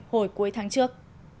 hồi cuối tháng trước